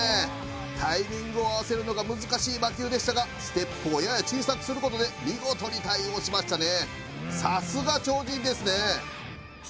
タイミングを合わせるのが難しい魔球でしたがステップをやや小さくすることで見事に対応しましたね